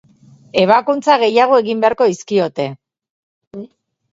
Ebakuntza gehiago egin beharko dizkiote.